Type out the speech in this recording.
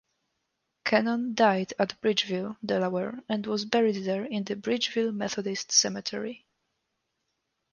Cannon died at Bridgeville, Delaware, and was buried there in the Bridgeville Methodist Cemetery.